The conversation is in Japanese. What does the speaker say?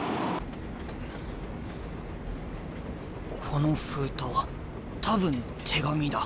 この封筒多分手紙だ。